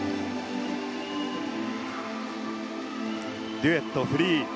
デュエットフリー。